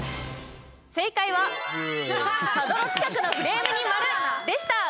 正解はサドル近くのフレームに丸でした。